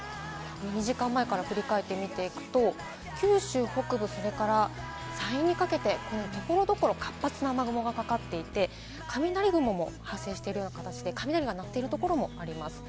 ２時間前から振り返って見ていくと、九州北部、それから山陰にかけて所々、活発な雨雲がかかっていて、雷雲も発生している形で雷が鳴っているところもあります。